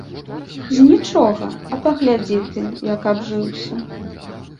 З нічога, а паглядзі ты, як абжыўся.